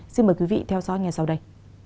xin mời quý vị theo dõi nghe sau đây